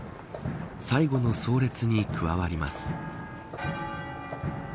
最後の葬列に加わります。